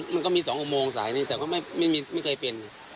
มันก็มี๒อุโมงสายนี้แต่ก็ไม่เคยเป็น